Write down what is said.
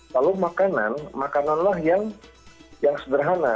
lalu makanan makananlah yang sederhana